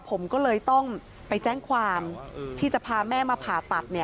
ผมก็เลยต้องไปแจ้งความที่จะพาแม่มาผ่าตัด